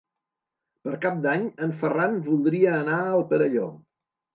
Per Cap d'Any en Ferran voldria anar al Perelló.